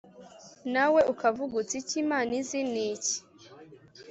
nawe ukavuga uti ‘icyo imana izi ni iki’